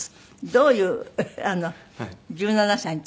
どういう１７歳の時？